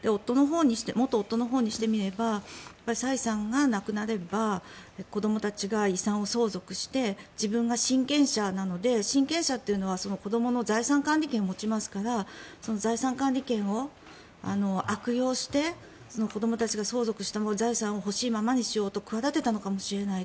元夫のほうにしてみればサイさんが亡くなれば子どもたちが遺産を相続して自分が親権者なので親権者というのは子どもの財産管理権を持ちますから財産管理権を悪用して子どもたちが相続した財産をほしいままにしようと企てたのかもしれない。